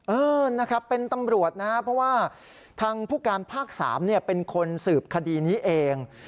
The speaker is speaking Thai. เออนะครับเป็นตำรวจนะครับเพราะว่าทางผู้การภาค๓เป็นคนสืบคดีนี้เอง